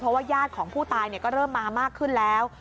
เพราะว่าญาติของผู้ตายก็เริ่มมามากขึ้นแล้ว